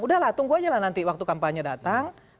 udahlah tunggu aja lah nanti waktu kampanye datang